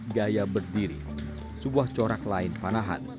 gaya berdiri sebuah corak lain panahan